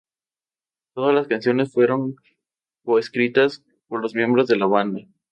Todas las canciones fueron co-escritas por los miembros de la banda.